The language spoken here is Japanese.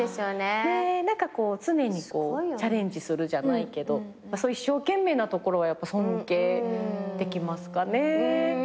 何かこう常にチャレンジするじゃないけどそういう一生懸命なところはやっぱ尊敬できますかね。